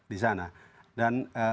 di sana dan